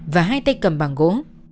và hai tay cầm bằng gỗ